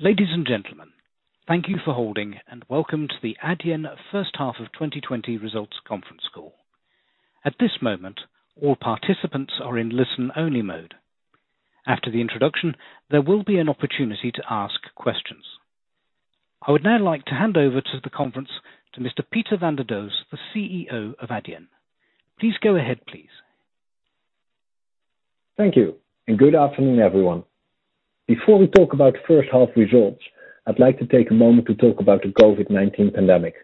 Ladies and gentlemen, thank you for holding and welcome to the Adyen first half of 2020 results conference call. At this moment, all participants are in listen-only mode. After the introduction, there will be an opportunity to ask questions. I would now like to hand over to the conference to Mr. Pieter van der Does, the CEO of Adyen. Please go ahead, please. Thank you. Good afternoon, everyone. Before we talk about first half results, I'd like to take a moment to talk about the COVID-19 pandemic.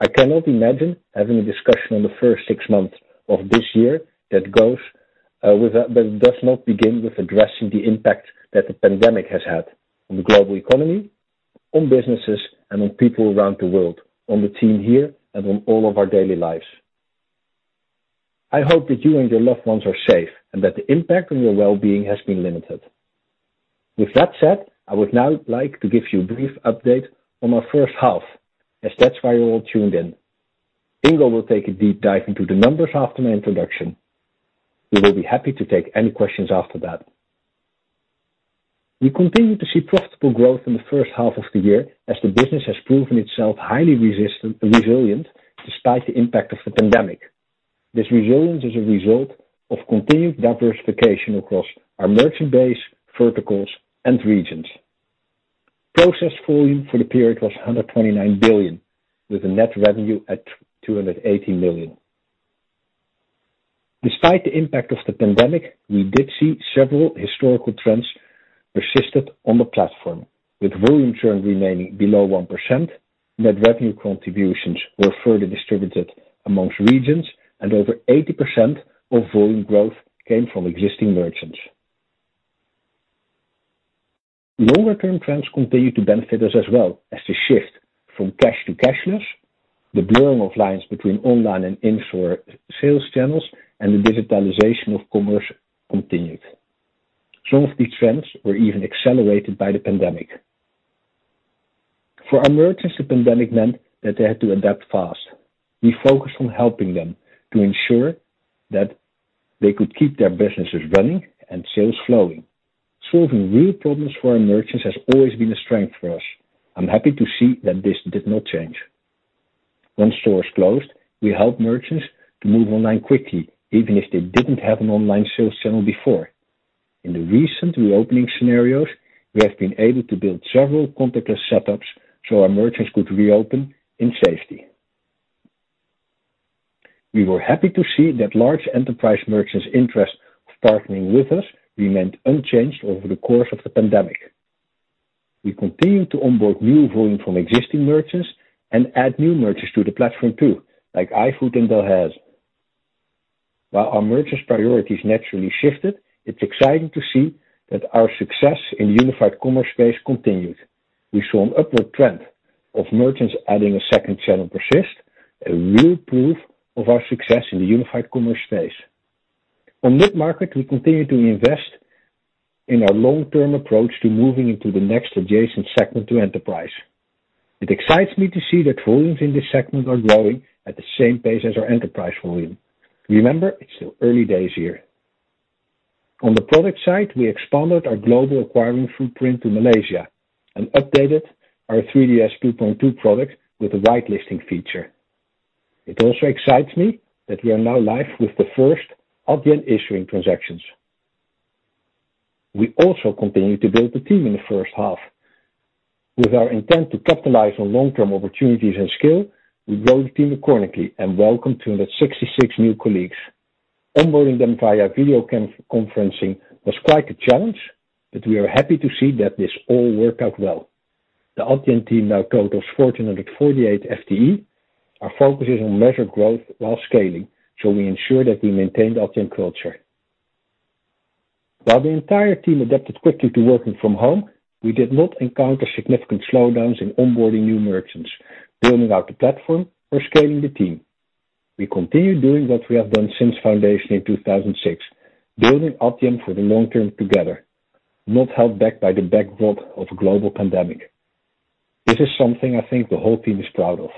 I cannot imagine having a discussion on the first six months of this year that does not begin with addressing the impact that the pandemic has had on the global economy, on businesses, and on people around the world, on the team here, and on all of our daily lives. I hope that you and your loved ones are safe and that the impact on your wellbeing has been limited. With that said, I would now like to give you a brief update on our first half, as that's why you're all tuned in. Ingo will take a deep dive into the numbers after my introduction. We will be happy to take any questions after that. We continued to see profitable growth in the first half of the year as the business has proven itself highly resilient despite the impact of the pandemic. This resilience is a result of continued diversification across our merchant base, verticals, and regions. Processed volume for the period was 129 billion, with the net revenue at 280 million. Despite the impact of the pandemic, we did see several historical trends persisted on the platform, with volume churn remaining below 1%, net revenue contributions were further distributed amongst regions, and over 80% of volume growth came from existing merchants. Longer-term trends continued to benefit us as well as they shift from cash to cashless, the blurring of lines between online and in-store sales channels, and the digitalization of commerce continued. Some of these trends were even accelerated by the pandemic. For our merchants, the pandemic meant that they had to adapt fast. We focused on helping them to ensure that they could keep their businesses running and sales flowing. Solving real problems for our merchants has always been a strength for us. I'm happy to see that this did not change. Once stores closed, we helped merchants to move online quickly, even if they didn't have an online sales channel before. In the recent reopening scenarios, we have been able to build several contactless setups so our merchants could reopen in safety. We were happy to see that large enterprise merchants' interest of partnering with us remained unchanged over the course of the pandemic. We continued to onboard new volume from existing merchants and add new merchants to the platform too, like iFood and Delhaize. While our merchants' priorities naturally shifted, it's exciting to see that our success in the unified commerce space continued. We saw an upward trend of merchants adding a second channel persist, a real proof of our success in the unified commerce space. On mid-market, we continue to invest in our long-term approach to moving into the next adjacent segment to enterprise. It excites me to see that volumes in this segment are growing at the same pace as our enterprise volume. Remember, it's still early days here. On the product side, we expanded our global acquiring footprint to Malaysia and updated our 3DS 2.2 product with a whitelisting feature. It also excites me that we are now live with the first Adyen issuing transactions. We also continued to build the team in the first half. With our intent to capitalize on long-term opportunities and scale, we grew the team accordingly and welcomed 266 new colleagues. Onboarding them via video conferencing was quite a challenge, but we are happy to see that this all worked out well. The Adyen team now totals 1,448 FTE. Our focus is on measured growth while scaling, so we ensure that we maintain the Adyen culture. While the entire team adapted quickly to working from home, we did not encounter significant slowdowns in onboarding new merchants, building out the platform, or scaling the team. We continued doing what we have done since foundation in 2006, building Adyen for the long term together, not held back by the backdrop of a global pandemic. This is something I think the whole team is proud of.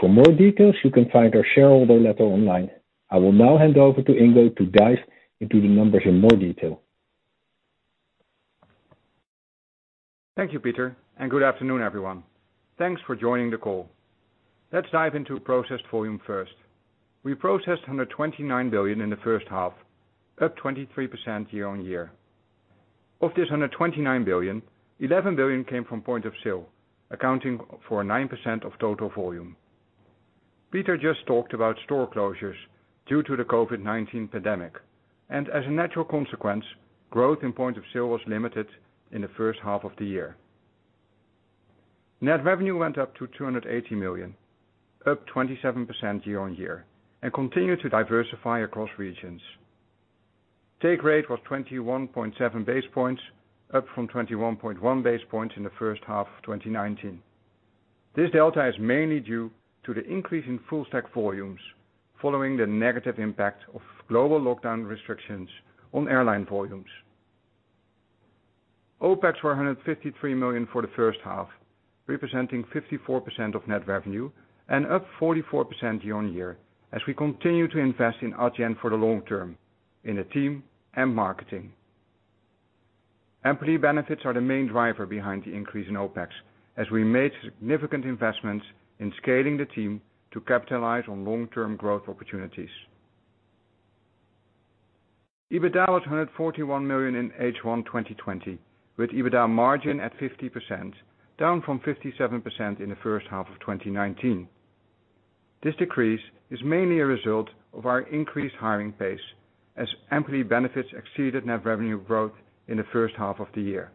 For more details, you can find our shareholder letter online. I will now hand over to Ingo to dive into the numbers in more detail. Thank you, Pieter. Good afternoon, everyone. Thanks for joining the call. Let's dive into processed volume first. We processed 129 billion in the first half, up 23% year-on-year. Of this 129 billion, 11 billion came from point of sale, accounting for 9% of total volume. Pieter just talked about store closures due to the COVID-19 pandemic. As a natural consequence, growth in point of sale was limited in the first half of the year. Net revenue went up to 280 million, up 27% year-on-year, continued to diversify across regions. Take rate was 21.7 basis points, up from 21.1 basis points in the first half of 2019. This delta is mainly due to the increase in full stack volumes following the negative impact of global lockdown restrictions on airline volumes. OpEx were 153 million for the first half, representing 54% of net revenue and up 44% year-on-year, as we continue to invest in Adyen for the long term, in the team and marketing. Employee benefits are the main driver behind the increase in OpEx, as we made significant investments in scaling the team to capitalize on long-term growth opportunities. EBITDA was 141 million in H1 2020, with EBITDA margin at 50%, down from 57% in the first half of 2019. This decrease is mainly a result of our increased hiring pace, as employee benefits exceeded net revenue growth in the first half of the year.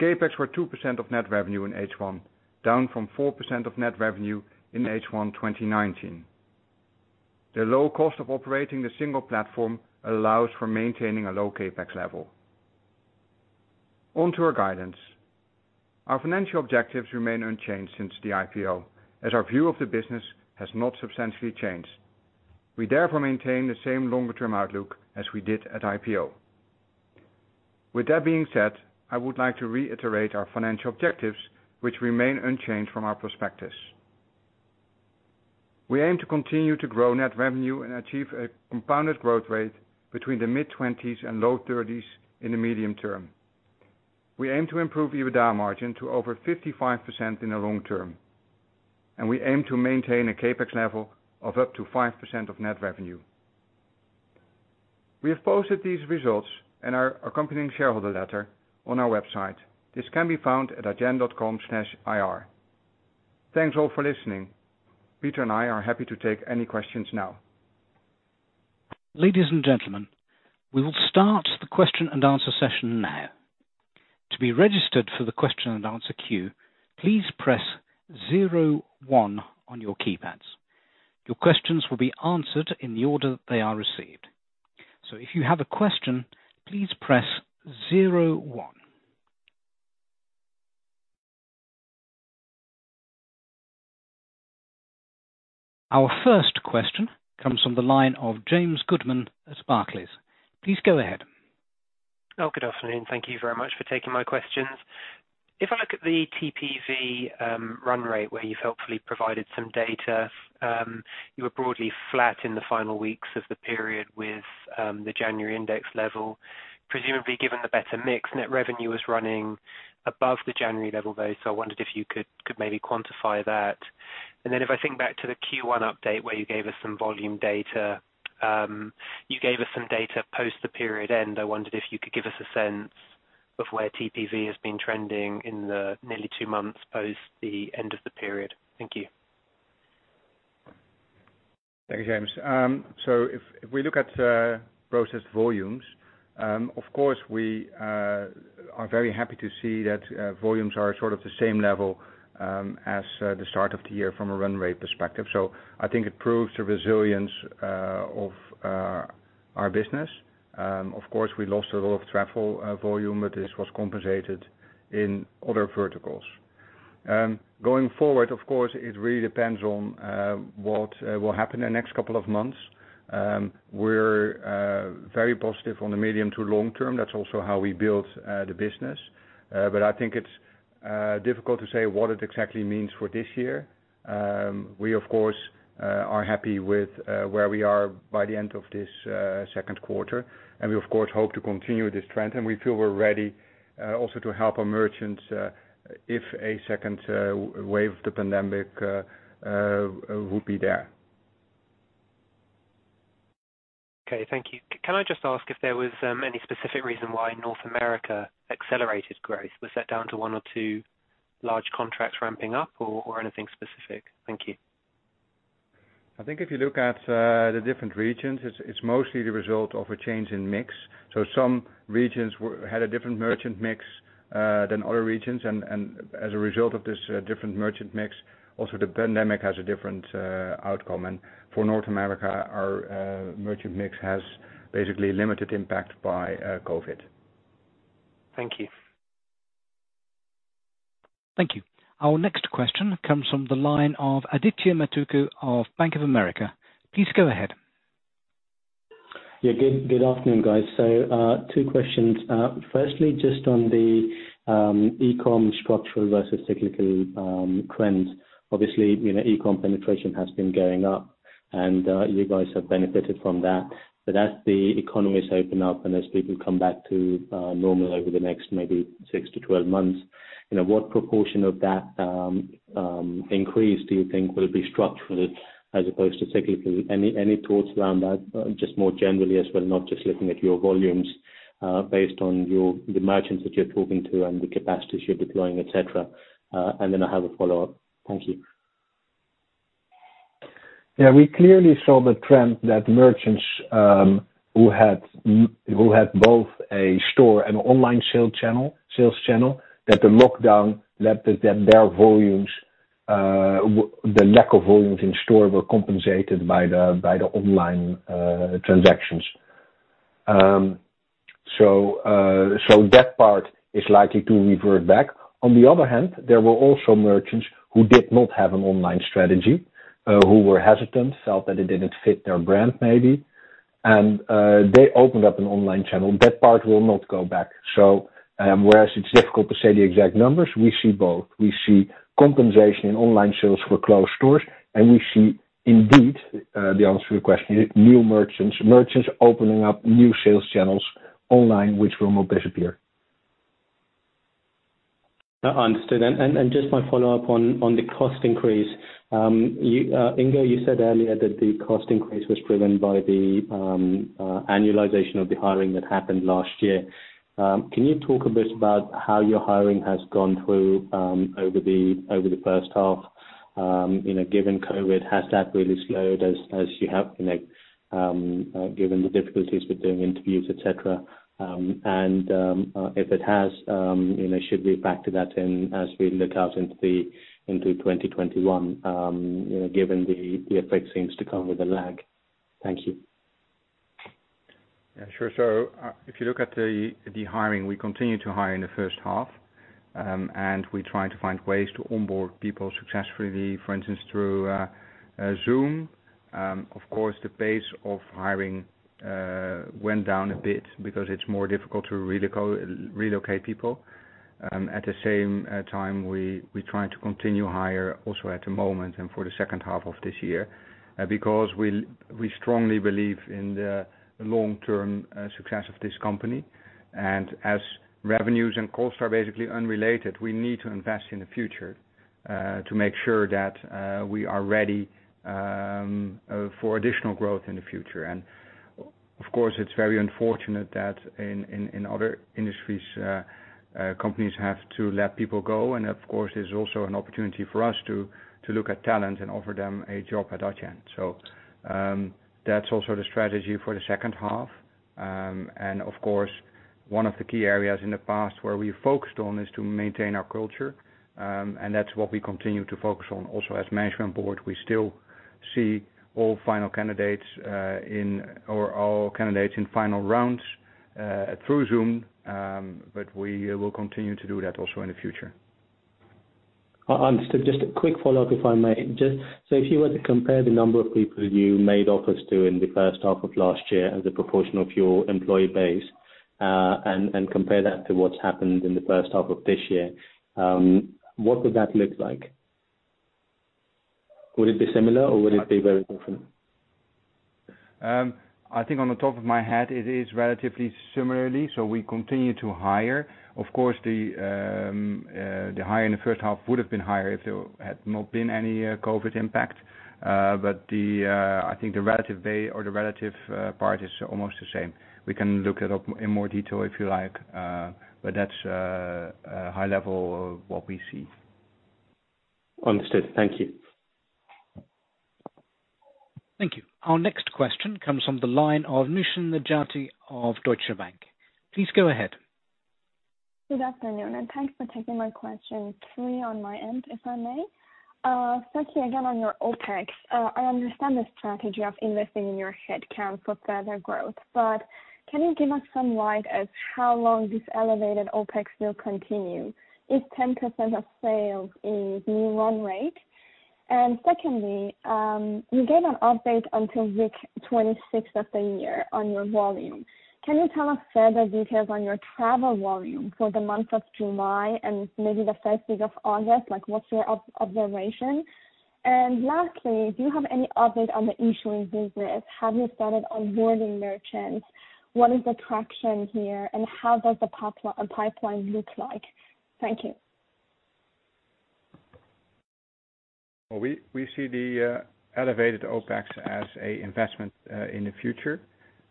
CapEx were 2% of net revenue in H1, down from 4% of net revenue in H1 2019. The low cost of operating the single platform allows for maintaining a low CapEx level. On to our guidance. Our financial objectives remain unchanged since the IPO, as our view of the business has not substantially changed. We therefore maintain the same longer term outlook as we did at IPO. With that being said, I would like to reiterate our financial objectives, which remain unchanged from our prospectus. We aim to continue to grow net revenue and achieve a compounded growth rate between the mid-20s and low 30s in the medium term. We aim to improve EBITDA margin to over 55% in the long term, and we aim to maintain a CapEx level of up to 5% of net revenue. We have posted these results and our accompanying shareholder letter on our website. This can be found at adyen.com/ir. Thanks all for listening. Pieter and I are happy to take any questions now. Ladies and gentlemen, we will start the question-and-answer session now. Our first question comes from the line of James Goodman at Barclays. Please go ahead. Good afternoon. Thank you very much for taking my questions. If I look at the TPV run rate, where you've helpfully provided some data, you were broadly flat in the final weeks of the period with the January index level. Presumably given the better mix, net revenue was running above the January level, though. I wondered if you could maybe quantify that. If I think back to the Q1 update, where you gave us some volume data, you gave us some data post the period end. I wondered if you could give us a sense of where TPV has been trending in the nearly two months post the end of the period. Thank you. Thank you, James. If we look at processed volumes, of course, we are very happy to see that volumes are sort of the same level as the start of the year from a run rate perspective. I think it proves the resilience of our business. Of course, we lost a lot of travel volume, but this was compensated in other verticals. Going forward, of course, it really depends on what will happen in the next couple of months. We're very positive on the medium to long term. That's also how we built the business. I think it's difficult to say what it exactly means for this year. We, of course, are happy with where we are by the end of this second quarter. We of course, hope to continue this trend and we feel we're ready also to help our merchants if a second wave of the pandemic would be there. Okay. Thank you. Can I just ask if there was any specific reason why North America accelerated growth? Was that down to one or two large contracts ramping up or anything specific? Thank you. I think if you look at the different regions, it's mostly the result of a change in mix. Some regions had a different merchant mix than other regions, and as a result of this different merchant mix, also the pandemic has a different outcome. For North America, our merchant mix has basically limited impact by COVID. Thank you. Thank you. Our next question comes from the line of Aaditya Mattoo of Bank of America. Please go ahead. Good afternoon, guys. Two questions. Firstly, just on the e-com structural versus cyclical trends. Obviously, e-com penetration has been going up, and you guys have benefited from that. As the economies open up and as people come back to normal over the next maybe 6-12 months, what proportion of that increase do you think will be structural as opposed to cyclical? Any thoughts around that, just more generally as well, not just looking at your volumes based on the merchants that you're talking to and the capacities you're deploying, et cetera. Then I have a follow-up. Thank you. Yeah, we clearly saw the trend that merchants who had both a store and online sales channel, that the lockdown, that their volumes, the lack of volumes in store were compensated by the online transactions. That part is likely to revert back. On the other hand, there were also merchants who did not have an online strategy. Who were hesitant, felt that it didn't fit their brand, maybe. They opened up an online channel. That part will not go back. Whereas it's difficult to say the exact numbers, we see both. We see compensation in online sales for closed stores, and we see indeed, the answer to your question, new merchants. Merchants opening up new sales channels online, which will not disappear. Understood. Just my follow-up on the cost increase. Ingo, you said earlier that the cost increase was driven by the annualization of the hiring that happened last year. Can you talk a bit about how your hiring has gone through over the first half in a given COVID? Has that really slowed as you have given the difficulties with doing interviews, et cetera? If it has, should we factor that in as we look out into 2021, given the effect seems to come with a lag. Thank you. Yeah, sure. If you look at the hiring, we continue to hire in the first half. We try to find ways to onboard people successfully, for instance, through Zoom. Of course, the pace of hiring went down a bit because it's more difficult to relocate people. At the same time, we try to continue hire also at the moment and for the second half of this year, because we strongly believe in the long-term success of this company. As revenues and costs are basically unrelated, we need to invest in the future, to make sure that we are ready for additional growth in the future. Of course, it's very unfortunate that in other industries, companies have to let people go. Of course, there's also an opportunity for us to look at talent and offer them a job at Adyen. That's also the strategy for the second half. Of course, one of the key areas in the past where we focused on is to maintain our culture. That's what we continue to focus on also as management board. We still see all final candidates in, or all candidates in final rounds through Zoom. We will continue to do that also in the future. Understood. Just a quick follow-up, if I may. If you were to compare the number of people you made offers to in the first half of last year as a proportion of your employee base, and compare that to what's happened in the first half of this year, what would that look like? Would it be similar, or would it be very different? I think on the top of my head, it is relatively similarly, so we continue to hire. Of course, the hire in the first half would have been higher if there had not been any COVID-19 impact. I think the relative way or the relative part is almost the same. We can look it up in more detail if you like. That's a high level of what we see. Understood. Thank you. Thank you. Our next question comes from the line of Nooshin Nejati of Deutsche Bank. Please go ahead. Good afternoon, and thanks for taking my question. Three on my end, if I may. Firstly, again, on your OpEx. I understand the strategy of investing in your headcount for further growth, but can you give us some light as how long this elevated OpEx will continue? Is 10% of sales a new run rate? Secondly, you gave an update until week 26 of the year on your volume. Can you tell us further details on your travel volume for the month of July and maybe the first week of August, like what's your observation? Lastly, do you have any update on the issuing business? Have you started onboarding merchants? What is the traction here, and how does the pipeline look like? Thank you. Well, we see the elevated OpEx as an investment in the future.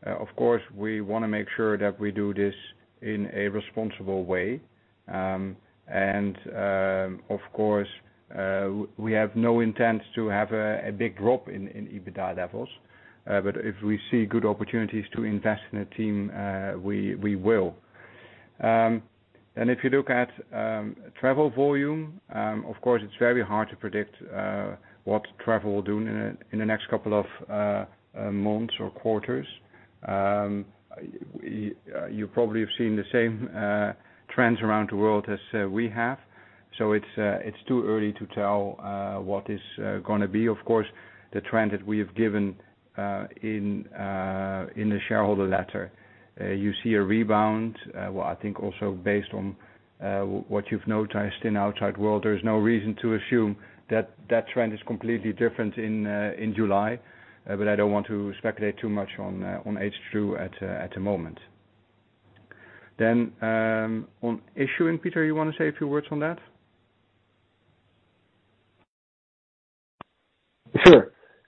Of course, we want to make sure that we do this in a responsible way. Of course, we have no intent to have a big drop in EBITDA levels. If we see good opportunities to invest in a team, we will. If you look at travel volume, of course, it's very hard to predict what travel will do in the next couple of months or quarters. You probably have seen the same trends around the world as we have. It's too early to tell what is going to be. Of course, the trend that we have given in the shareholder letter, you see a rebound. Well, I think also based on what you've noticed in outside world, there is no reason to assume that trend is completely different in July. I don't want to speculate too much on H2 at the moment. On issuing, Pieter, you want to say a few words on that?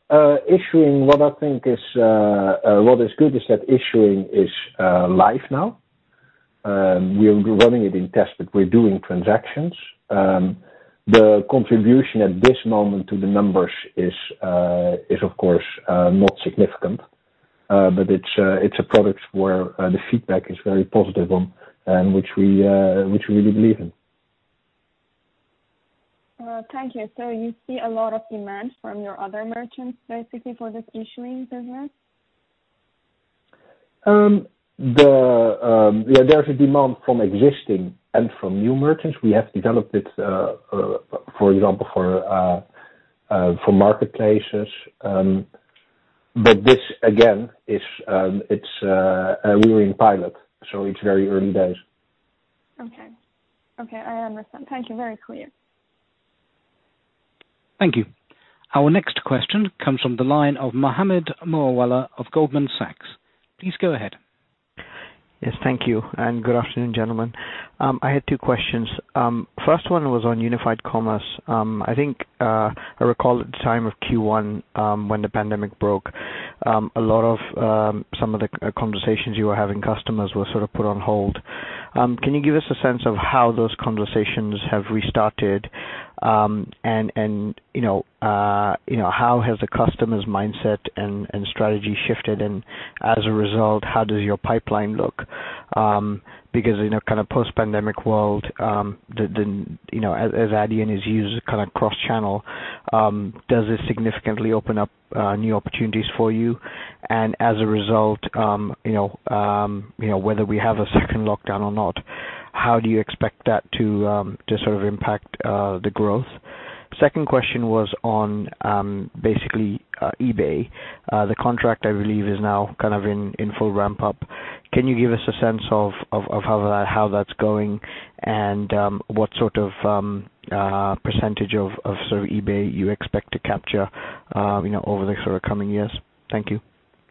Sure. Issuing, what I think is good is that Issuing is live now. We're running it in test, but we're doing transactions. The contribution at this moment to the numbers is, of course, not significant. It's a product where the feedback is very positive on and which we really believe in. Thank you. You see a lot of demand from your other merchants, basically, for this issuing business? There's a demand from existing and from new merchants. We have developed it, for example, for marketplaces. This, again, it's really in pilot, so it's very early days. Okay. I understand. Thank you. Very clear. Thank you. Our next question comes from the line of Mohammed Moawalla of Goldman Sachs. Please go ahead. Yes, thank you. Good afternoon, gentlemen. I had two questions. First one was on unified commerce. I think, I recall at the time of Q1, when the pandemic broke, a lot of some of the conversations you were having customers were sort of put on hold. Can you give us a sense of how those conversations have restarted? How has the customer's mindset and strategy shifted, and as a result, how does your pipeline look? In a kind of post-pandemic world, as Adyen is used kind of cross-channel, does it significantly open up new opportunities for you? As a result, whether we have a second lockdown or not, how do you expect that to sort of impact the growth? Second question was on basically eBay. The contract, I believe, is now kind of in full ramp-up. Can you give us a sense of how that's going and what sort of percentage of sort of eBay you expect to capture over the sort of coming years? Thank you.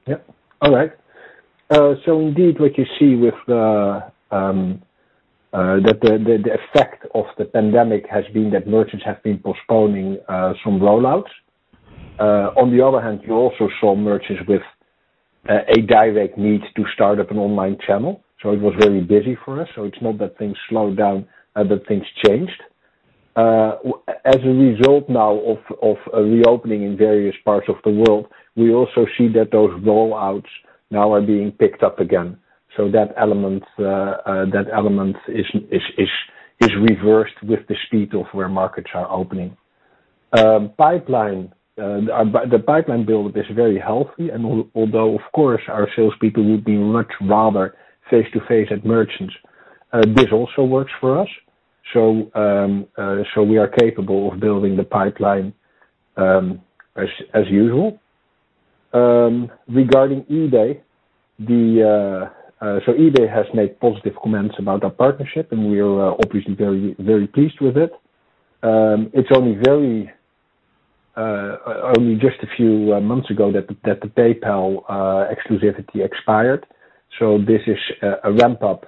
Yep. All right. Indeed, what you see with the effect of the pandemic has been that merchants have been postponing some rollouts. On the other hand, you also saw merchants with a direct need to start up an online channel. It was very busy for us. It's not that things slowed down. Things changed. As a result now of reopening in various parts of the world, we also see that those rollouts now are being picked up again. That element is reversed with the speed of where markets are opening. The pipeline build is very healthy. Although, of course, our salespeople would be much rather face-to-face at merchants, this also works for us. We are capable of building the pipeline as usual. Regarding eBay has made positive comments about our partnership. We are obviously very pleased with it. It's only just a few months ago that the PayPal exclusivity expired, this is a ramp-up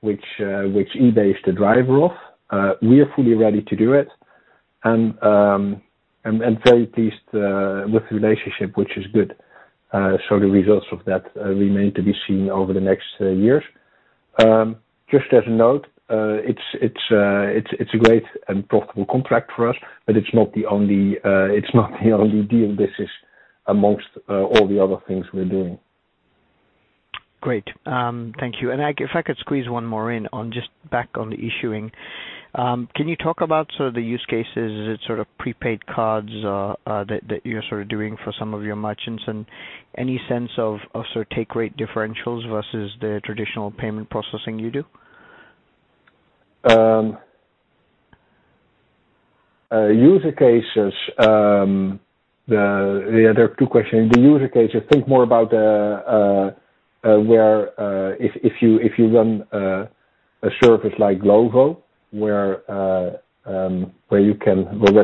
which eBay is the driver of. We are fully ready to do it and very pleased with the relationship, which is good. The results of that remain to be seen over the next years. Just as a note, it's a great and profitable contract for us, but it's not the only deal. This is amongst all the other things we're doing. Great. Thank you. If I could squeeze one more in on just back on the issuing. Can you talk about sort of the use cases, is it sort of prepaid cards that you're sort of doing for some of your merchants, and any sense of sort of take rate differentials versus the traditional payment processing you do? User cases. There are two questions. The user cases, think more about if you run a service like Glovo where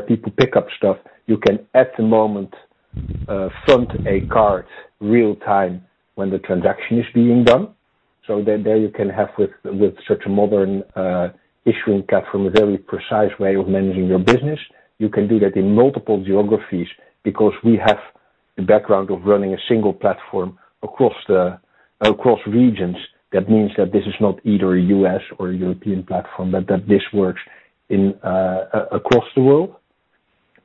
people pick up stuff, you can, at the moment, front a card real time when the transaction is being done. There you can have with such a modern issuing cap from a very precise way of managing your business. You can do that in multiple geographies because we have the background of running a single platform across regions. That means that this is not either a U.S. or a European platform, but that this works across the world.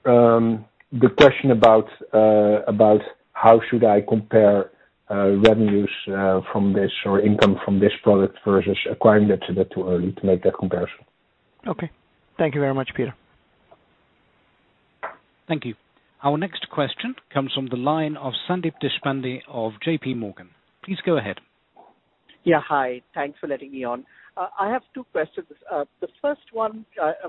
The question about how should I compare revenues from this or income from this product versus acquiring that, it's a bit too early to make that comparison. Okay. Thank you very much, Pieter. Thank you. Our next question comes from the line of Sandeep Deshpande of JPMorgan. Please go ahead. Yeah, hi. Thanks for letting me on. I have two questions. The first one,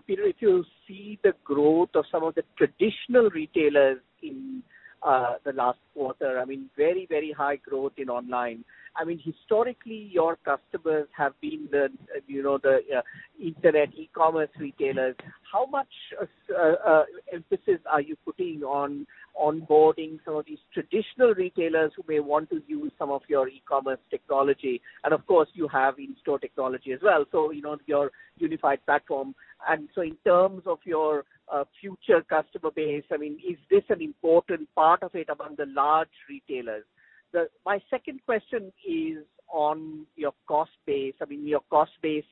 Pieter, if you see the growth of some of the traditional retailers in the last quarter, I mean, very, very high growth in online. I mean, historically, your customers have been the Internet, e-commerce retailers. How much emphasis are you putting on onboarding some of these traditional retailers who may want to use some of your e-commerce technology? Of course, you have in-store technology as well, so your unified platform. In terms of your future customer base, I mean, is this an important part of it among the large retailers? My second question is on your cost base. I mean, your cost base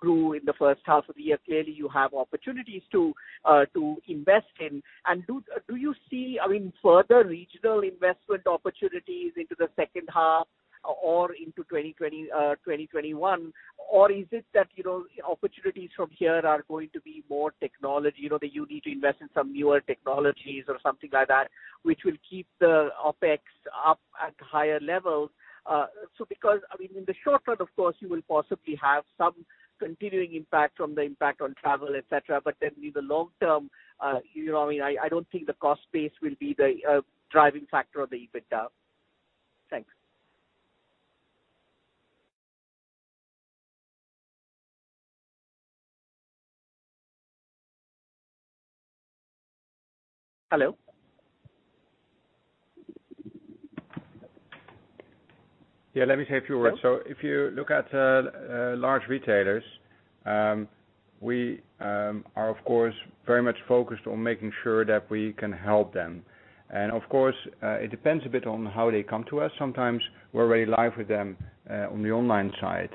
grew in the first half of the year. Clearly, you have opportunities to invest in. Do you see, I mean, further regional investment opportunities into the second half? Into 2021, or is it that opportunities from here are going to be more technology? That you need to invest in some newer technologies or something like that, which will keep the OpEx up at higher levels? In the short run, of course, you will possibly have some continuing impact from the impact on travel, et cetera, but then in the long term, I don't think the cost base will be the driving factor of the EBITDA. Thanks. Hello? Yeah. Let me say a few words. If you look at large retailers, we are, of course, very much focused on making sure that we can help them. Of course, it depends a bit on how they come to us. Sometimes we're already live with them on the online side.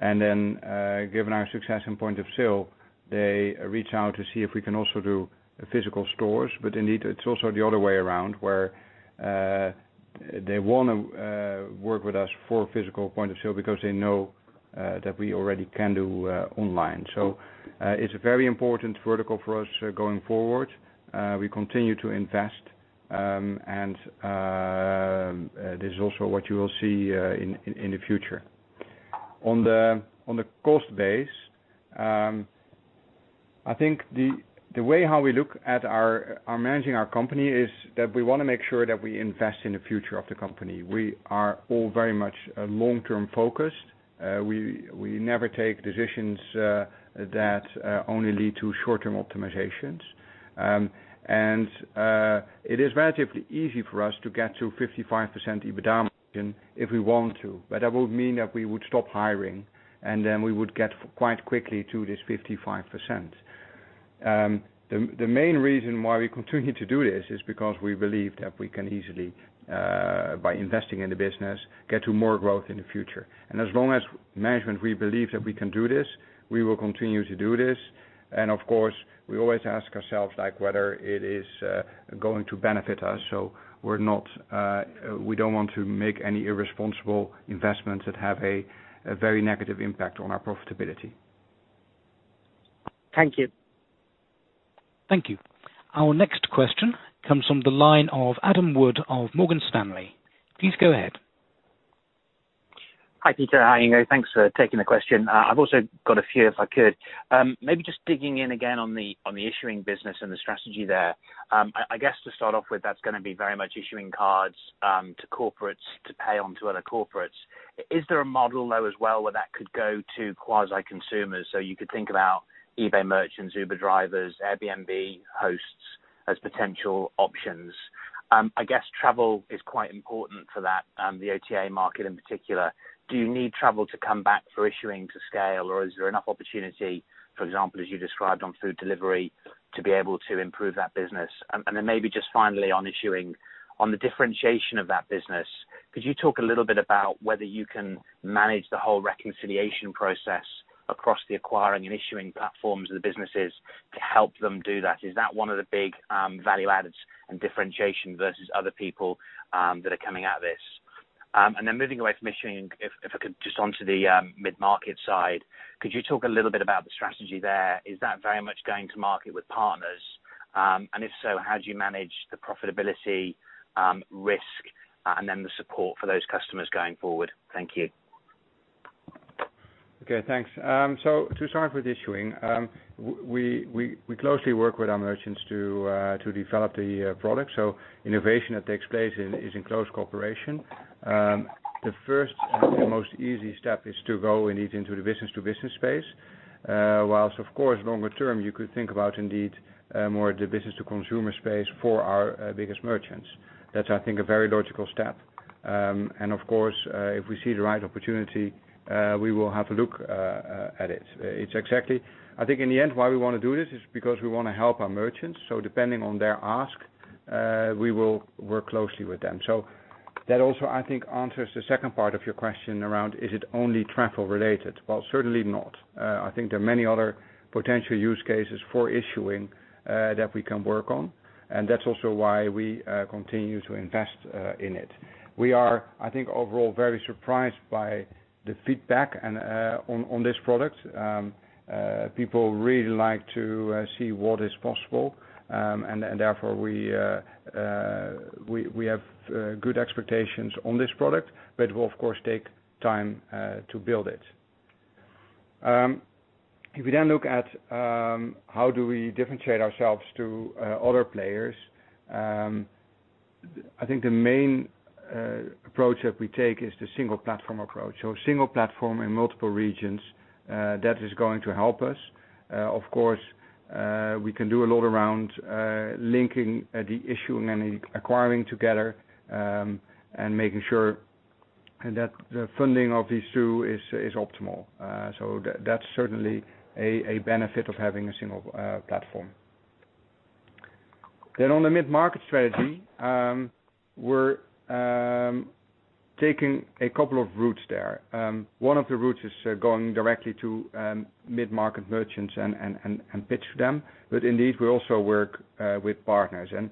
Then, given our success in point of sale, they reach out to see if we can also do physical stores. Indeed, it's also the other way around, where they want to work with us for physical point of sale because they know that we already can do online. It's a very important vertical for us going forward. We continue to invest, and this is also what you will see in the future. On the cost base, I think the way how we look at managing our company is that we want to make sure that we invest in the future of the company. We are all very much long-term focused. We never take decisions that only lead to short-term optimizations. It is relatively easy for us to get to 55% EBITDA margin if we want to, but that would mean that we would stop hiring, and then we would get quite quickly to this 55%. The main reason why we continue to do this is because we believe that we can easily, by investing in the business, get to more growth in the future. As long as management, we believe that we can do this, we will continue to do this. Of course, we always ask ourselves, whether it is going to benefit us. We don't want to make any irresponsible investments that have a very negative impact on our profitability. Thank you. Thank you. Our next question comes from the line of Adam Wood of Morgan Stanley. Please go ahead. Hi, Pieter. Hi, Ingo. Thanks for taking the question. I've also got a few if I could. Maybe just digging in again on the issuing business and the strategy there. I guess to start off with, that's going to be very much issuing cards to corporates to pay on to other corporates. Is there a model, though, as well, where that could go to quasi consumers, so you could think about eBay merchants, Uber drivers, Airbnb hosts as potential options? I guess travel is quite important for that, the OTA market in particular. Do you need travel to come back for issuing to scale, or is there enough opportunity, for example, as you described on food delivery, to be able to improve that business? Maybe just finally on issuing, on the differentiation of that business, could you talk a little bit about whether you can manage the whole reconciliation process across the acquiring and issuing platforms of the businesses to help them do that? Is that one of the big value adds and differentiation versus other people that are coming at this? Moving away from issuing, if I could just onto the mid-market side, could you talk a little bit about the strategy there? Is that very much going to market with partners? If so, how do you manage the profitability, risk, and then the support for those customers going forward? Thank you. Okay. Thanks. To start with issuing, we closely work with our merchants to develop the product. Innovation that takes place is in close cooperation. The first and the most easy step is to go indeed into the business-to-business space. Whilst of course, longer term, you could think about indeed more the business-to-consumer space for our biggest merchants. That's, I think, a very logical step. Of course, if we see the right opportunity, we will have a look at it. I think in the end, why we want to do this is because we want to help our merchants. Depending on their ask, we will work closely with them. That also, I think, answers the second part of your question around is it only travel related? Well, certainly not. I think there are many other potential use cases for issuing that we can work on, and that's also why we continue to invest in it. We are, I think, overall very surprised by the feedback on this product. People really like to see what is possible, and therefore we have good expectations on this product, but it will of course take time to build it. If we look at how do we differentiate ourselves to other players, I think the main approach that we take is the single platform approach. Single platform in multiple regions, that is going to help us. Of course, we can do a lot around linking the issuing and acquiring together, and making sure that the funding of these two is optimal. That's certainly a benefit of having a single platform. On the mid-market strategy, we're taking a couple of routes there. One of the routes is going directly to mid-market merchants and pitch to them. Indeed, we also work with partners, and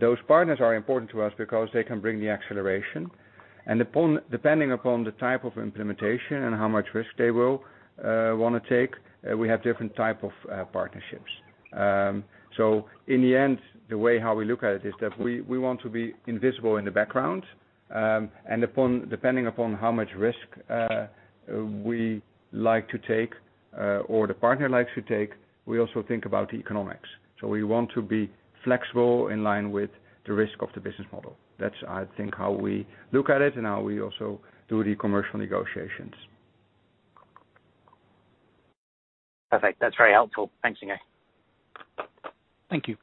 those partners are important to us because they can bring the acceleration. Depending upon the type of implementation and how much risk they will want to take, we have different type of partnerships. In the end, the way how we look at it is that we want to be invisible in the background. Depending upon how much risk we like to take or the partner likes to take, we also think about economics. We want to be flexible in line with the risk of the business model. That's, I think, how we look at it and how we also do the commercial negotiations. Perfect. That's very helpful. Thanks again. Thank you.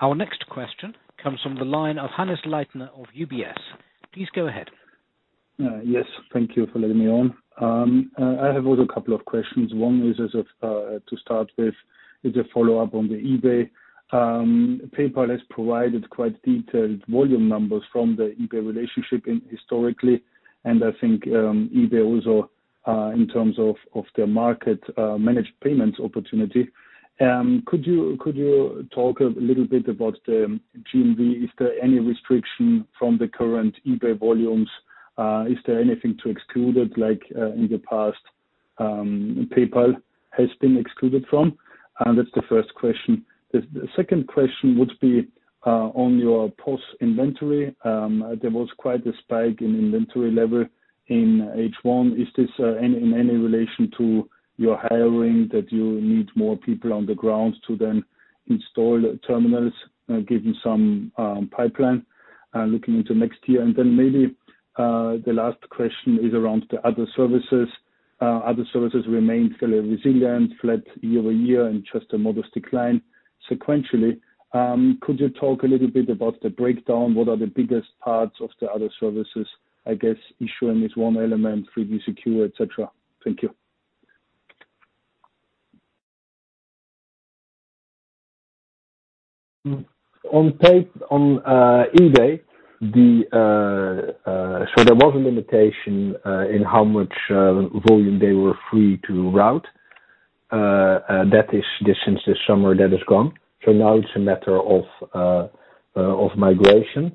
Our next question comes from the line of Hannes Leitner of UBS. Please go ahead. Yes, thank you for letting me on. I have also a couple of questions. One is to start with, is a follow-up on the eBay. PayPal has provided quite detailed volume numbers from the eBay relationship historically, and I think eBay also, in terms of their managed payments opportunity. Could you talk a little bit about the GMV? Is there any restriction from the current eBay volumes? Is there anything to exclude it like in the past PayPal has been excluded from? That's the first question. The second question would be, on your POS inventory. There was quite a spike in inventory level in H1. Is this in any relation to your hiring, that you need more people on the ground to then install terminals, given some pipeline looking into next year? Maybe the last question is around the other services. Other services remain still resilient, flat year-over-year, and just a modest decline sequentially. Could you talk a little bit about the breakdown? What are the biggest parts of the other services? I guess issuing is one element, 3D Secure, et cetera. Thank you. On eBay, there was a limitation in how much volume they were free to route. Since this summer, that is gone. Now it's a matter of migration.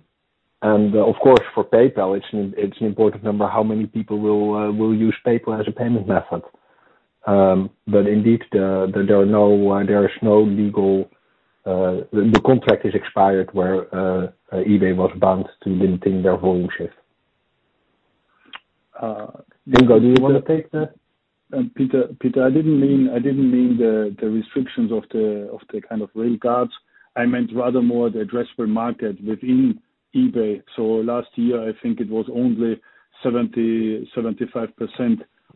Of course, for PayPal, it's an important number, how many people will use PayPal as a payment method. Indeed, the contract is expired, where eBay was bound to limiting their volume shift. Ingo, do you want to take that? Pieter, I didn't mean the restrictions of the kind of rail guards. I meant rather more the addressable market within eBay. Last year, I think it was only 75%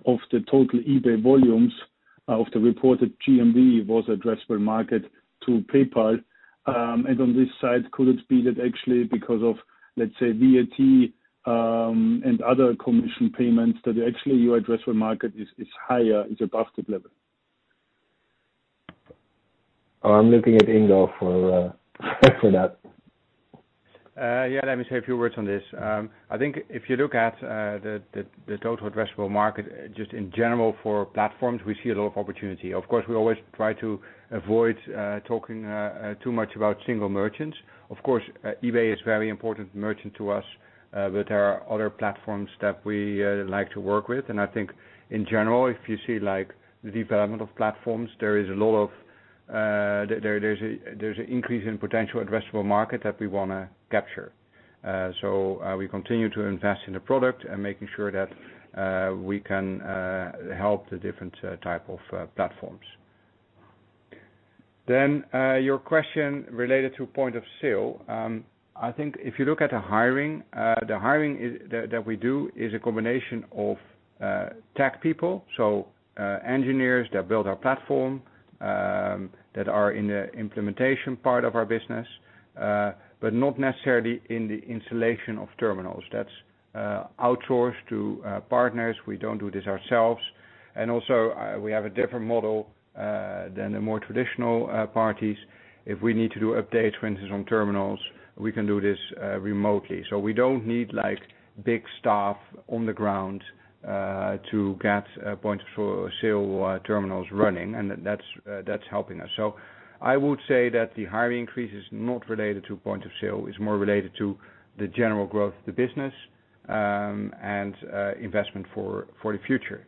of the total eBay volumes of the reported GMV was addressable market to PayPal. On this side, could it be that actually because of, let's say, VAT, and other commission payments that actually your addressable market is higher, is above the level? I'm looking at Ingo for that. Yeah, let me say a few words on this. I think if you look at the total addressable market, just in general for platforms, we see a lot of opportunity. Of course, we always try to avoid talking too much about single merchants. Of course, eBay is very important merchant to us, but there are other platforms that we like to work with. I think in general, if you see the development of platforms, there's an increase in potential addressable market that we want to capture. We continue to invest in the product and making sure that we can help the different type of platforms. Your question related to point of sale. I think if you look at the hiring, the hiring that we do is a combination of tech people, so engineers that build our platform, that are in the implementation part of our business, but not necessarily in the installation of terminals. That's outsourced to partners. We don't do this ourselves. We have a different model than the more traditional parties. If we need to do updates, for instance, on terminals, we can do this remotely. We don't need big staff on the ground, to get point of sale terminals running, and that's helping us. I would say that the hiring increase is not related to point of sale. It's more related to the general growth of the business, and investment for the future.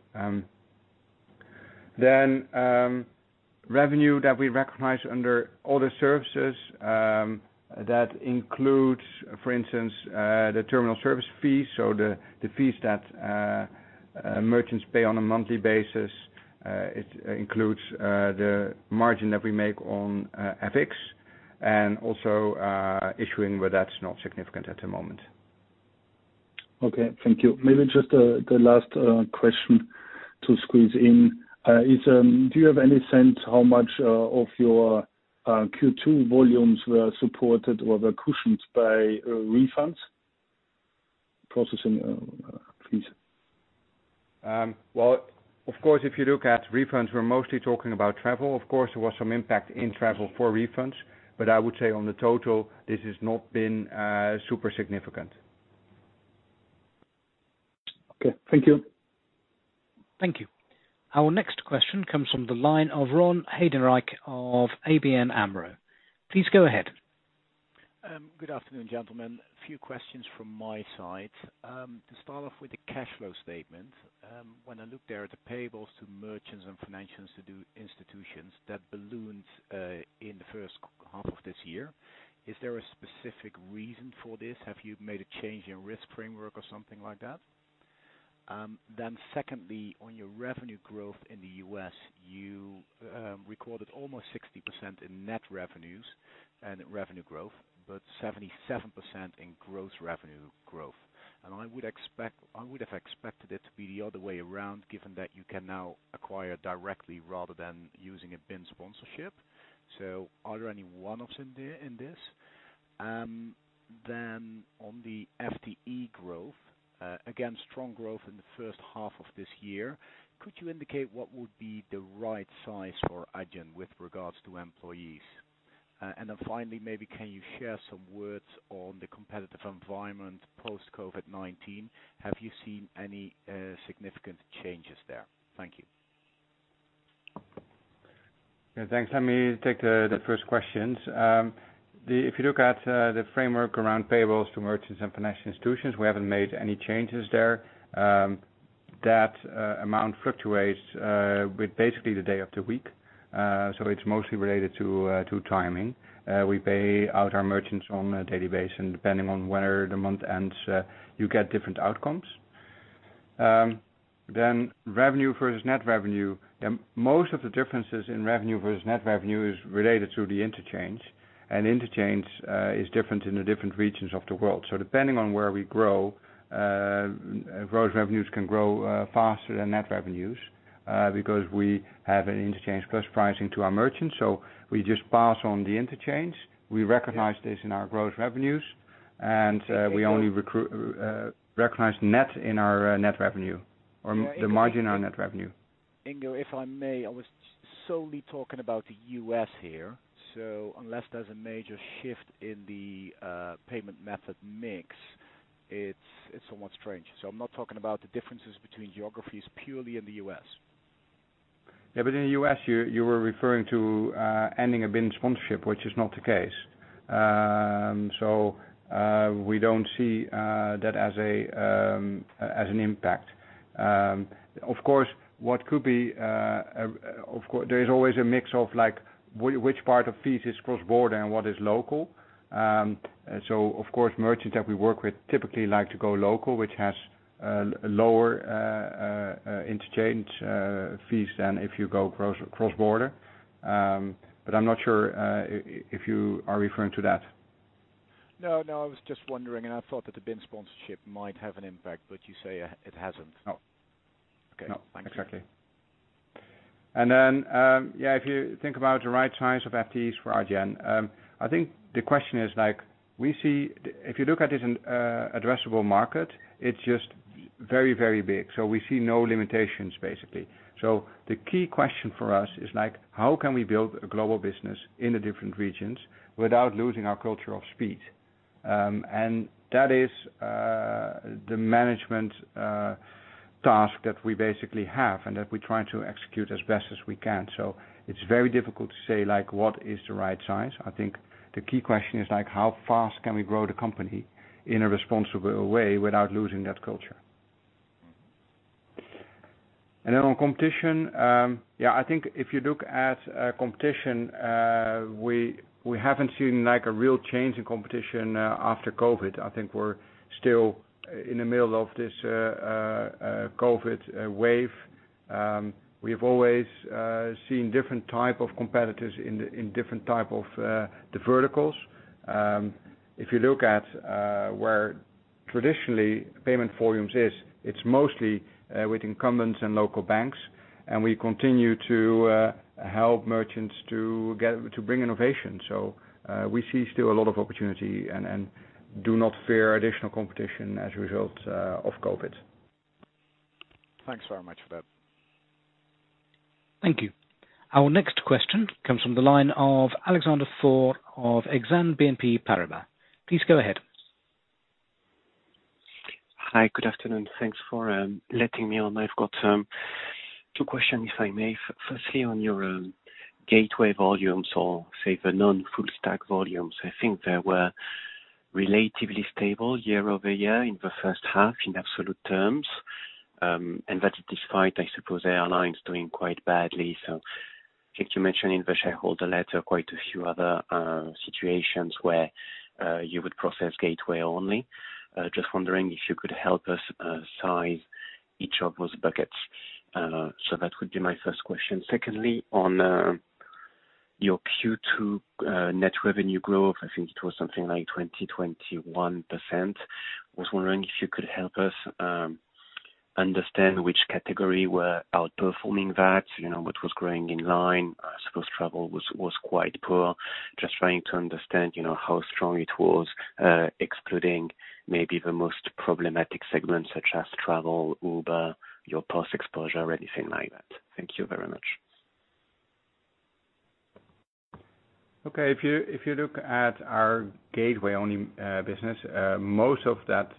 Revenue that we recognize under other services, that includes, for instance, the terminal service fees, so the fees that merchants pay on a monthly basis. It includes the margin that we make on FX and also issuing, but that's not significant at the moment. Okay. Thank you. Maybe just the last question to squeeze in is, do you have any sense how much of your Q2 volumes were supported or were cushioned by refunds, processing fees? Of course, if you look at refunds, we're mostly talking about travel. Of course, there was some impact in travel for refunds, but I would say on the total, this has not been super significant. Okay. Thank you. Thank you. Our next question comes from the line of Ron Heydenrijk of ABN AMRO. Please go ahead. Good afternoon, gentlemen. A few questions from my side. To start off with the cash flow statement. When I look there at the payables to merchants and financial institutions, that balloons in the first half of this year, is there a specific reason for this? Have you made a change in risk framework or something like that? Secondly, on your revenue growth in the U.S., you recorded almost 60% in net revenues and revenue growth, but 77% in gross revenue growth. I would have expected it to be the other way around, given that you can now acquire directly rather than using a BIN sponsorship. Are there any one-offs in this? On the FTE growth, again, strong growth in the first half of this year. Could you indicate what would be the right size for Adyen with regards to employees? Then finally, maybe can you share some words on the competitive environment post-COVID-19? Have you seen any significant changes there? Thank you. Yeah, thanks. Let me take the first questions. If you look at the framework around payables to merchants and financial institutions, we haven't made any changes there. That amount fluctuates with basically the day of the week. It's mostly related to timing. We pay out our merchants on a daily basis. Depending on where the month ends, you get different outcomes. Revenue versus net revenue. Most of the differences in revenue versus net revenue is related to the interchange. Interchange is different in the different regions of the world. Depending on where we grow, gross revenues can grow faster than net revenues, because we have an interchange plus pricing to our merchants. We just pass on the interchange. We recognize this in our gross revenues, and we only recognize net in our net revenue or the margin on net revenue. Ingo, if I may, I was solely talking about the U.S. here. Unless there's a major shift in the payment method mix, it's somewhat strange. I'm not talking about the differences between geographies, purely in the U.S. Yeah, in the U.S., you were referring to ending a BIN sponsorship, which is not the case. We don't see that as an impact. Of course, there is always a mix of which part of fees is cross-border and what is local. Of course, merchants that we work with typically like to go local, which has lower interchange fees than if you go cross-border. I'm not sure if you are referring to that. No, I was just wondering, and I thought that the BIN sponsorship might have an impact, but you say it hasn't. No. Okay. Thank you. Exactly. If you think about the right size of FTEs for Adyen, I think the question is, if you look at this addressable market, it's just very, very big. We see no limitations basically. The key question for us is how can we build a global business in the different regions without losing our culture of speed? That is the management task that we basically have and that we're trying to execute as best as we can. It's very difficult to say, what is the right size. I think the key question is how fast can we grow the company in a responsible way without losing that culture? On competition, I think if you look at competition, we haven't seen a real change in competition after COVID. I think we're still in the middle of this COVID wave. We have always seen different type of competitors in different type of the verticals. If you look at where traditionally payment volumes is, it's mostly with incumbents and local banks, we continue to help merchants to bring innovation. We see still a lot of opportunity and do not fear additional competition as a result of COVID. Thanks very much for that. Thank you. Our next question comes from the line of Alexandre Faure of Exane BNP Paribas. Please go ahead. Hi, good afternoon. Thanks for letting me on. I've got two questions, if I may. Firstly, on your gateway volumes or say the non-full stack volumes, I think they were relatively stable year-over-year in the first half in absolute terms. That is despite, I suppose, airlines doing quite badly. I think you mentioned in the shareholder letter quite a few other situations where you would process gateway only. Just wondering if you could help us size each of those buckets. That would be my first question. Secondly, on your Q2 net revenue growth, I think it was something like 20%, 21%. I was wondering if you could help us understand which category were outperforming that, what was growing in line. I suppose travel was quite poor. Just trying to understand how strong it was excluding maybe the most problematic segments such as travel, Uber, your POS exposure, or anything like that. Thank you very much. If you look at our gateway-only business, most of that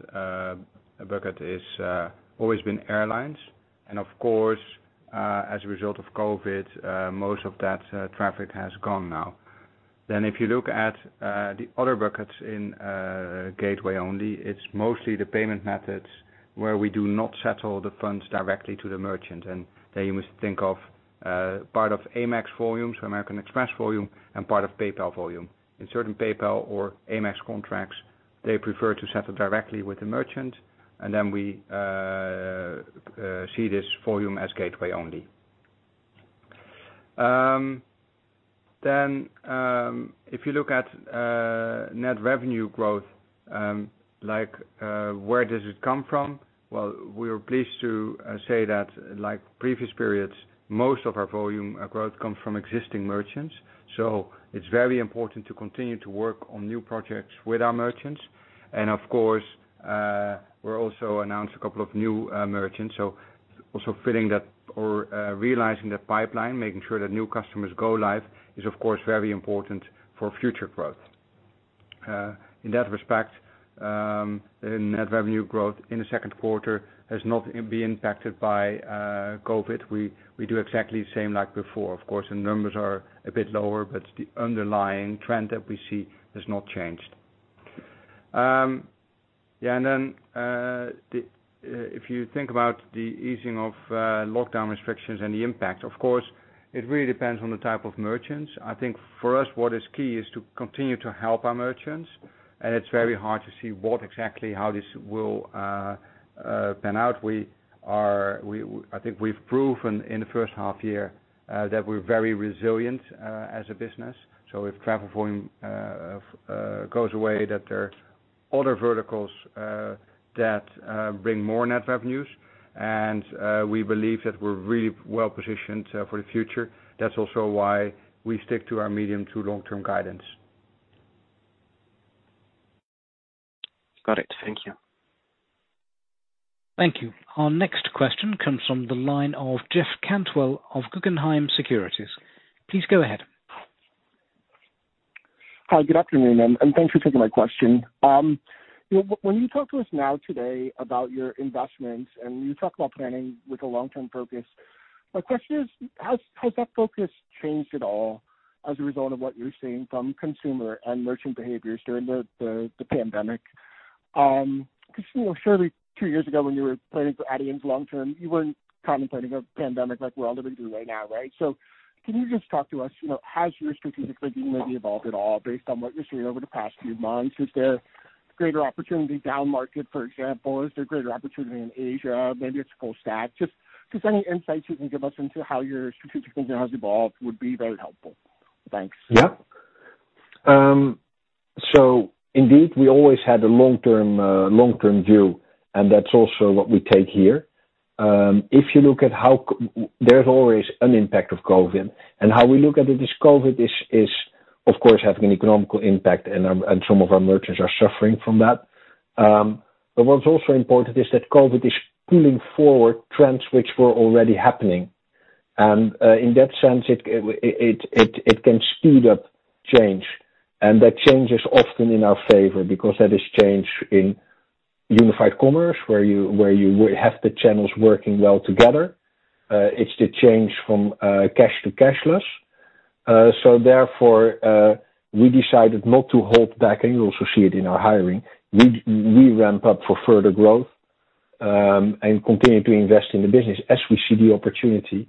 bucket has always been airlines, and of course, as a result of COVID, most of that traffic has gone now. If you look at the other buckets in gateway only, it's mostly the payment methods where we do not settle the funds directly to the merchant, and there you must think of part of Amex volume, so American Express volume, and part of PayPal volume. In certain PayPal or Amex contracts, they prefer to settle directly with the merchant, and then we see this volume as gateway only. If you look at net revenue growth, where does it come from? We're pleased to say that like previous periods, most of our volume growth comes from existing merchants. It's very important to continue to work on new projects with our merchants. Of course, we also announced a couple of new merchants. Also filling that or realizing that pipeline, making sure that new customers go live is, of course, very important for future growth. In that respect, in net revenue growth in the second quarter has not been impacted by COVID. We do exactly the same like before. Of course, the numbers are a bit lower, but the underlying trend that we see has not changed. If you think about the easing of lockdown restrictions and the impact, of course, it really depends on the type of merchants. I think for us, what is key is to continue to help our merchants, and it's very hard to see what exactly how this will pan out. I think we've proven in the first half year that we're very resilient as a business. If travel volume goes away, that there are other verticals that bring more net revenues, and we believe that we're really well-positioned for the future. That's also why we stick to our medium to long-term guidance. Got it. Thank you. Thank you. Our next question comes from the line of Jeff Cantwell of Guggenheim Securities. Please go ahead. Hi, good afternoon. Thanks for taking my question. When you talk to us now today about your investments and you talk about planning with a long-term focus, my question is, has that focus changed at all as a result of what you're seeing from consumer and merchant behaviors during the pandemic? Surely two years ago when you were planning for Adyen's long term, you weren't contemplating a pandemic like we're all living through right now, right? Can you just talk to us, has your strategic thinking maybe evolved at all based on what you're seeing over the past few months? Is there greater opportunity downmarket, for example? Is there greater opportunity in Asia? Maybe it's full stack. Just any insights you can give us into how your strategic thinking has evolved would be very helpful. Thanks. Yeah. Indeed, we always had a long-term view, and that's also what we take here. There's always an impact of COVID, and how we look at it is COVID is, of course, having an economic impact, and some of our merchants are suffering from that. What's also important is that COVID is pulling forward trends which were already happening. In that sense, it can speed up change, and that change is often in our favor because that is change in unified commerce where you have the channels working well together. It's the change from cash to cashless. Therefore, we decided not to hold back, and you also see it in our hiring. We ramp up for further growth and continue to invest in the business as we see the opportunity,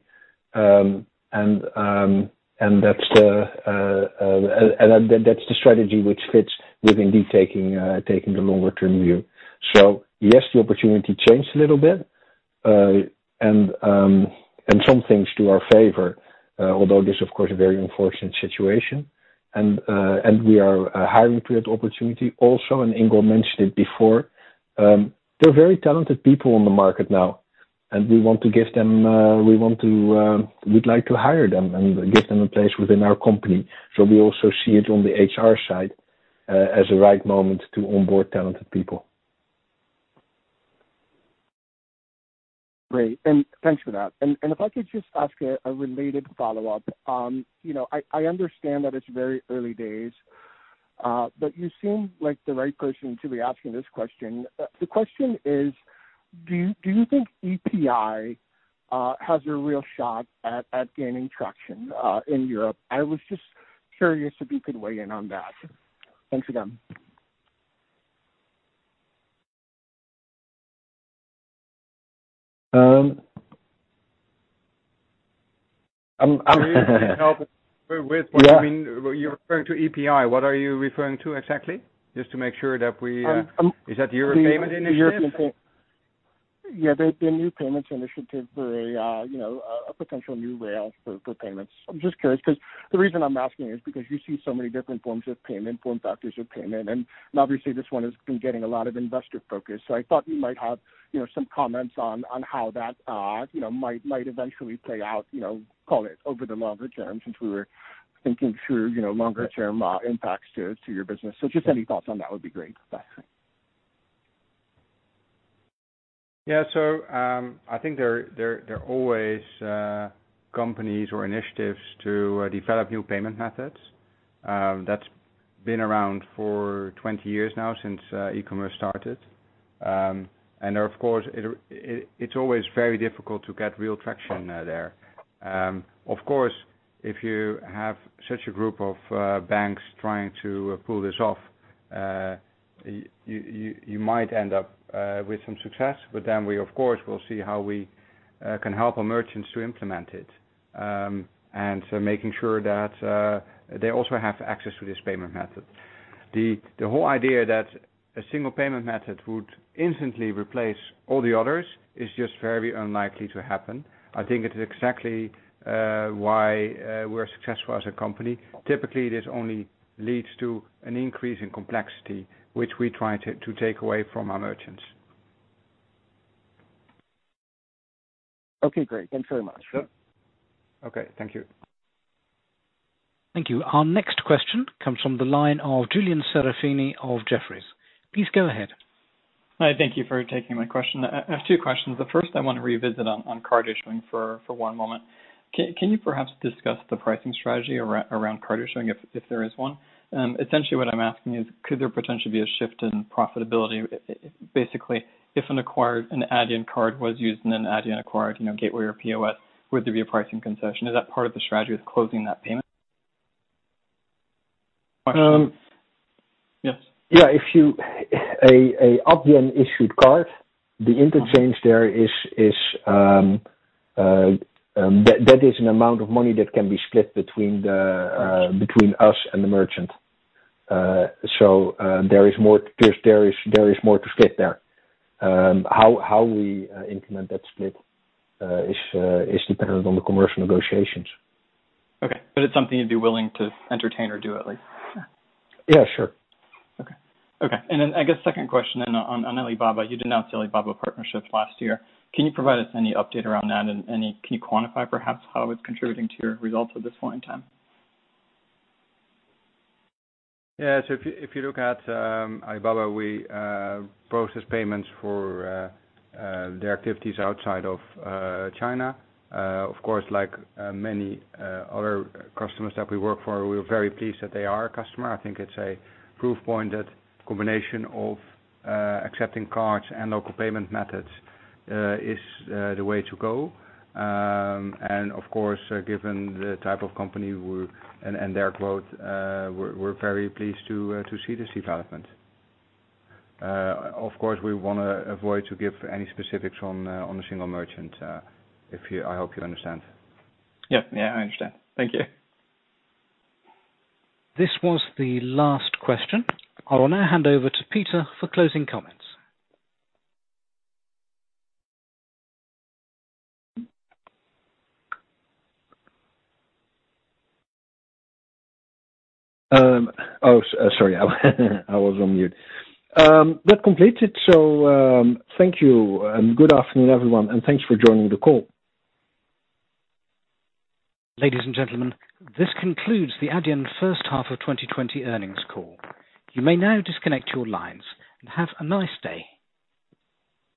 and that's the strategy which fits with indeed taking the longer-term view. Yes, the opportunity changed a little bit, and some things to our favor, although this, of course, a very unfortunate situation. We are hiring to the opportunity also, Ingo mentioned it before. There are very talented people on the market now, and we'd like to hire them and give them a place within our company. We also see it on the HR side as a right moment to onboard talented people. Great. Thanks for that. If I could just ask a related follow-up. I understand that it's very early days, but you seem like the right person to be asking this question. The question is, do you think EPI has a real shot at gaining traction in Europe? I was just curious if you could weigh in on that. Thanks again. Can you help with what you mean? You're referring to EPI. What are you referring to exactly? Is thatEuropean Payments Initiative? Yeah. The new payments initiative for a potential new rail for payments. I'm just curious because the reason I'm asking is because you see so many different forms of payment, form factors of payment, and obviously this one has been getting a lot of investor focus. I thought you might have some comments on how that might eventually play out, call it, over the longer term, since we were thinking through longer term impacts to your business. Just any thoughts on that would be great. Thanks. Yeah. I think there are always companies or initiatives to develop new payment methods. That's been around for 20 years now since e-commerce started. Of course, it's always very difficult to get real traction there. We, of course, will see how we can help our merchants to implement it, and so making sure that they also have access to this payment method. The whole idea that a single payment method would instantly replace all the others is just very unlikely to happen. I think it is exactly why we're successful as a company. Typically, this only leads to an increase in complexity, which we try to take away from our merchants. Okay, great. Thanks very much. Okay. Thank you. Thank you. Our next question comes from the line of Julian Serafini of Jefferies. Please go ahead. Hi. Thank you for taking my question. I have two questions. The first I want to revisit on card issuing for one moment. Can you perhaps discuss the pricing strategy around card issuing, if there is one? Essentially what I'm asking is, could there potentially be a shift in profitability? Basically, if an Adyen card was used in an Adyen acquired gateway or POS, would there be a pricing concession? Is that part of the strategy with closing that payment? Yes. Yeah. Adyen-issued card, the interchange there, that is an amount of money that can be split between us and the merchant. There is more to split there. How we implement that split is dependent on the commercial negotiations. Okay. It's something you'd be willing to entertain or do at least? Yeah, sure. Okay. I guess second question then on Alibaba. You announced the Alibaba partnership last year. Can you provide us any update around that and can you quantify perhaps how it's contributing to your results at this point in time? Yeah. If you look at Alibaba, we process payments for their activities outside of China. Of course, like many other customers that we work for, we are very pleased that they are a customer. I think it is a proof point that combination of accepting cards and local payment methods is the way to go. Of course, given the type of company and their growth, we are very pleased to see this development. Of course, we want to avoid to give any specifics on a single merchant. I hope you understand. Yeah. I understand. Thank you. This was the last question. I will now hand over to Pieter for closing comments. Oh, sorry. I was on mute. That completes it, so thank you and good afternoon, everyone, and thanks for joining the call. Ladies and gentlemen, this concludes the Adyen first half of 2020 earnings call. You may now disconnect your lines and have a nice day.